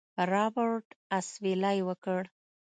رابرټ اسويلى وکړ.